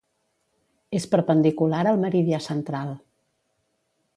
És perpendicular al meridià central.